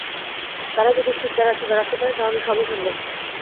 তারা যদি শিরদাঁড়া সোজা রাখতে পারে, তাহলে সবই সম্ভব।